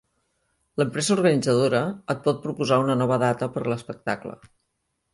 L'empresa organitzadora et pot proposar una nova data per a l'espectacle.